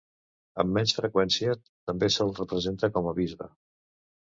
Amb menys freqüència, també se'l representa com a bisbe.